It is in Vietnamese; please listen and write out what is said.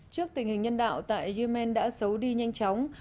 trước tình hình nhân đạo tại yemen đã xấu đi nhanh chóng